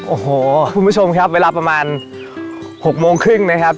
โอ้โหคุณผู้ชมครับเวลาประมาณ๖โมงครึ่งนะครับ